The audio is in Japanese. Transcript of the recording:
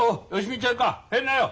入りなよ。